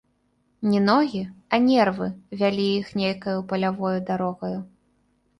Не ногі, а нервы вялі іх нейкаю палявою дарогаю.